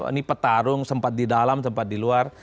ini petarung sempat di dalam tempat di luar